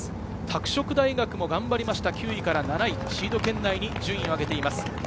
拓殖大学も頑張りました、９位から７位、シード圏内に順位を上げています。